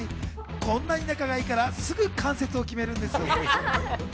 こんなに仲が良いからすぐに関節を決めるんです。